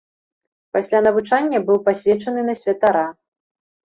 Пасля навучання быў пасвечаны на святара.